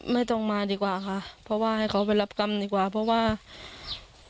ไม่ต้องมาดีกว่าค่ะเพราะว่าให้เขาไปรับกรรมดีกว่าเพราะว่า